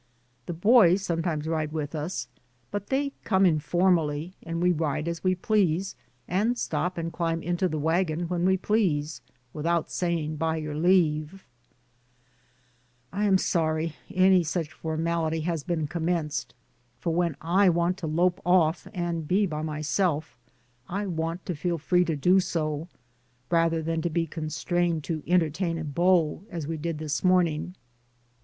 The boys sometimes ride with us, but they come informally, we ride as we please, and stop and climb into the wagon when we please, without saying by your leave. DAYS ON THE ROAD. 95 I am sorry any such formality has been commenced, for when I want to lope off, and be by myself, I want to feel free to do so, rather than to be constrained to entertain a beau, as we did this morning.